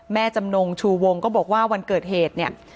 จำนงชูวงก็บอกว่าวันเกิดเหตุเนี่ย